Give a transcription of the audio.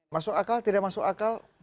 masuk akal tidak masuk akal